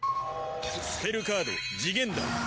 スペルカード次元断。